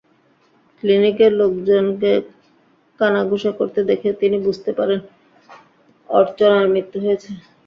ক্লিনিকের লোকজনকে কানাঘুষা করতে দেখে তিনি বুঝতে পারেন, অর্চনার মৃত্যু হয়েছে।